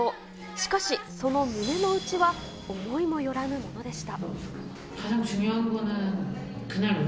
しかし、その胸の内は思いもよらぬものでした。